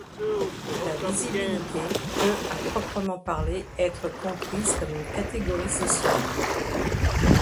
La visibilité peut à proprement parler être comprise comme une catégorie sociale.